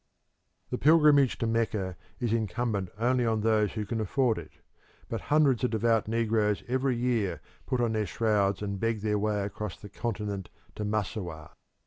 The pilgrimage to Mecca is incumbent only on those who can afford it, but hundreds of devout negroes every year put on their shrouds and beg their way across the continent to Massowah.